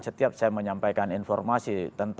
setiap saya menyampaikan informasi